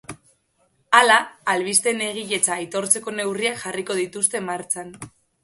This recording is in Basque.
Hala, albisteen egiletza aitortzeko neurriak jarriko dituzte martxan.